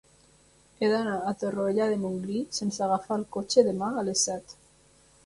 He d'anar a Torroella de Montgrí sense agafar el cotxe demà a les set.